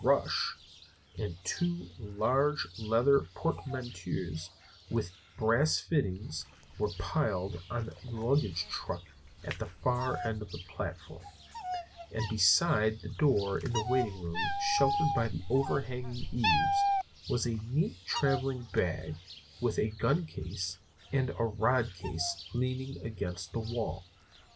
Rush!" and two large leather portmanteaus with brass fittings were piled on the luggage truck at the far end of the platform; and beside the door of the waiting room, sheltered by the overhanging eaves, was a neat traveling bag, with a gun case and a rod case leaning against the wall.